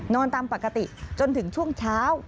ตามปกติจนถึงช่วงเช้า